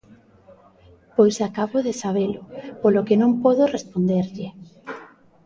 Pois acabo de sabelo, polo que non podo responderlle.